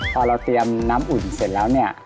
พอเราเตรียมน้ำอุ่นเสร็จแล้วเนี่ย